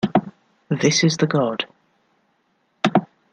'This is the god.